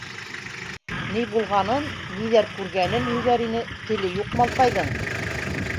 Ни булғанын, ниҙәр күргәнен һөйләр ине - теле юҡ малҡайҙың.